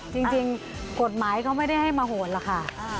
จริงกฎหมายเขาไม่ได้ให้มาโหดหรอกค่ะ